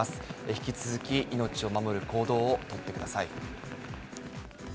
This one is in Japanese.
引き続き命を守る行動を取ってください。